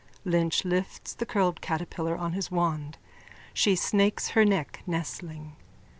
Lynch lifts the curled catterpillar on his wand. She snakes her neck, nestling.